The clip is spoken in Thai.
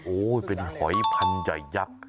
โอ้โหเป็นหอยพันธุ์ใหญ่ยักษ์